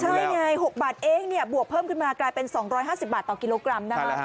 ใช่ไง๖บาทเองเนี่ยบวกเพิ่มขึ้นมากลายเป็น๒๕๐บาทต่อกิโลกรัมนะคะ